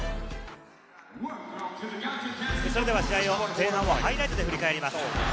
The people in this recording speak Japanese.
前半をハイライトで振り返ります。